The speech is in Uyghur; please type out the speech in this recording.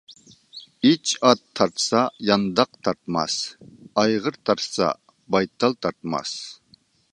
ئىچ ئات تارتسا يانداق تارتماس، ئايغىر تارتسا بايتال تارتماس.